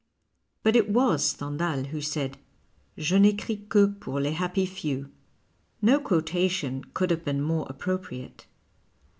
But it was Stendlial who said, " jc n'ecris que pour les happy few J" No quotation could have been more appropriate.